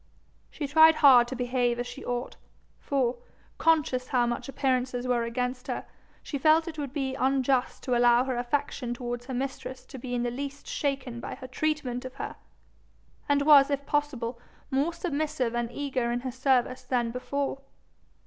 She tried hard to behave as she ought, for, conscious how much appearances were against her, she felt it would be unjust to allow her affection towards her mistress to be in the least shaken by her treatment of her, and was if possible more submissive and eager in her service than before.